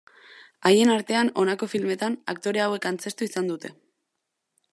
Haien artean honako filmetan aktore hauek antzeztu izan dute.